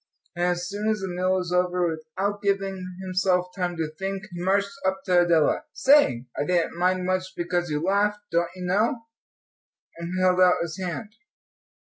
And as soon as the meal was over, without giving himself time to think, he marched up to Adela. "Say, I didn't much mind because you laughed, don't you know," and held out his hand.